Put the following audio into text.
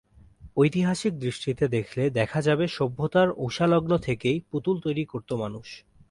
ঐতিহাসিক দৃষ্টিতে দেখলে দেখা যাবে সভ্যতার ঊষা লগ্ন থেকেই পুতুল তৈরি করত মানুষ।